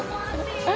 えっ。